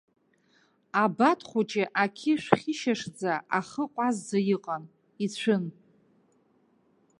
Абат хәыҷы ақьышә хьышьашӡа, ахы ҟәазӡа иҟан, ицәын.